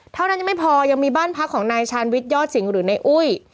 เท่านั้นยังไม่พอยังมีบ้านพักของนายชาญวิทยอดสิงห์หรือในอุ้ย